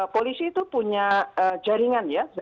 polisi itu punya jaringan ya